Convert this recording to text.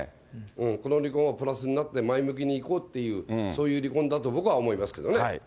この離婚はプラスになって、前向きにいこうという、そういう離婚だと僕は思いますけどね。